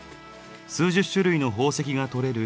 数十種類の宝石が採れる